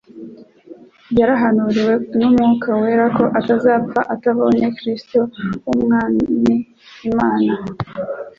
Yarahanuriwe n'Umwuka wera ko atazapfa atarabona Kristo w'Umwami Imana.»